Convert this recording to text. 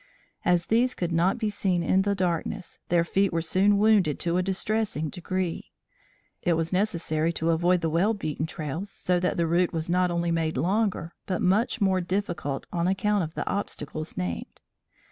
As these could not be seen in the darkness, their feet were soon wounded to a distressing degree. It was necessary to avoid the well beaten trails, so that the route was not only made longer, but much more difficult on account of the obstacles named.